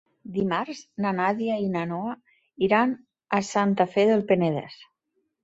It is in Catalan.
Dimarts na Nàdia i na Noa iran a Santa Fe del Penedès.